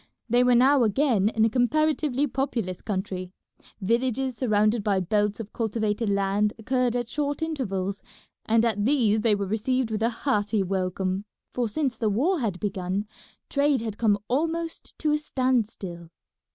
They were now again in a comparatively populous country; villages surrounded by belts of cultivated land occurred at short intervals, and at these they were received with a hearty welcome, for since the war had begun trade had come almost to a stand still.